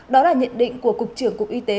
đó là nhận định của cục trưởng cục y tế